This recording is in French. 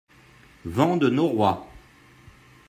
Vent de noroît.